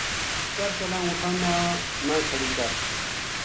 چل چلاں اُونٹھاں نا نہ کھڑی کر‘‘